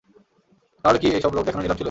তাহলে কি এই সব লোক দেখানো নিলাম ছিল?